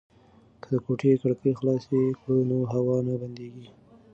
که د کوټې کړکۍ خلاصې کړو نو هوا نه بندیږي.